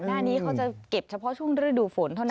หน้านี้เขาจะเก็บเฉพาะช่วงศึกษาศุกร์ฝนเท่านั้น